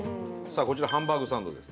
こちらハンバーグサンドです。